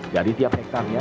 jadi tiap hektarnya